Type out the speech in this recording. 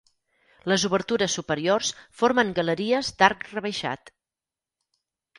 Les obertures superiors formen galeries d'arc rebaixat.